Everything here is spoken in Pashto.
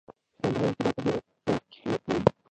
اسلام د هغه اعتبار په بیه ښکېلوي.